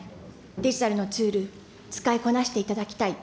デジタルのツール、使いこなしていただきたい。